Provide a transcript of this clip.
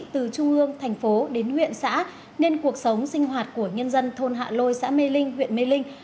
từ trung ương thành phố đến huyện xã nên cuộc sống sinh hoạt của nhân dân thôn hạ lôi xã mê linh huyện mê linh